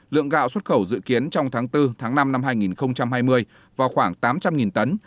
lượng gạo xuất khẩu dự kiến trong tháng bốn tháng năm năm hai nghìn hai mươi vào khoảng tám trăm linh tấn